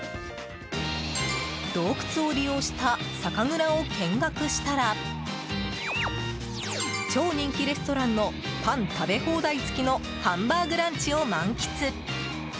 洞窟を利用した酒蔵を見学したら超人気レストランのパン食べ放題付きのハンバーグランチを満喫。